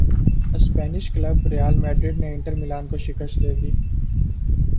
Spanish club Real Madrid نے Inter Milan کو شکست دے دی